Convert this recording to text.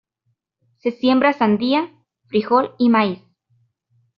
Se siembra sandía, frijol y maíz.